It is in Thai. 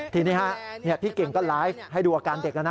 ทีนี้พี่เก่งก็ไลฟ์ให้ดูอาการเด็กแล้วนะ